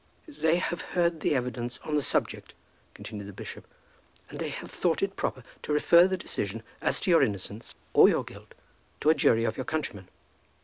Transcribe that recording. "They have heard the evidence on the subject," continued the bishop, "and they have thought it proper to refer the decision as to your innocence or your guilt to a jury of your countrymen."